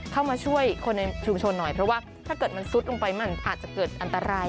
เข้ามาช่วยคนในชุมชนหน่อยเพราะว่าถ้าเกิดมันซุดลงไปมันอาจจะเกิดอันตราย